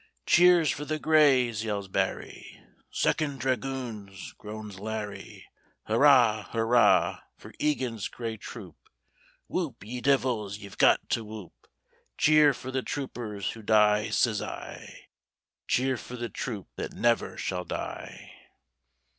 "Cheers for the Greys!" yells Barry; "Second Dragoons!" groans Larry; Hurrah! hurrah! for Egan's Grey Troop! Whoop! ye divils ye've got to whoop; Cheer for the troopers who die: sez I "Cheer for the troop that never shall die!"